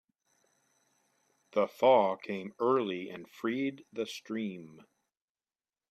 The thaw came early and freed the stream.